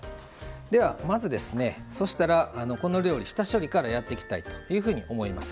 まず、この料理下処理からやっていきたいというふうに思います。